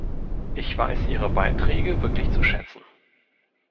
Ich weiß Ihre Beiträge wirklich zu schätzen.